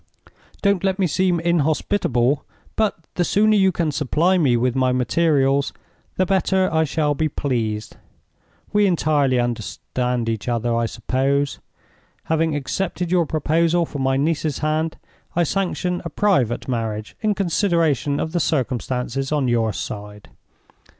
Don't let me seem inhospitable; but the sooner you can supply me with my materials, the better I shall be pleased. We entirely understand each other, I suppose? Having accepted your proposal for my niece's hand, I sanction a private marriage in consideration of the circumstances on your side.